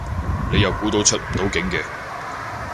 你又估到出唔到境嘅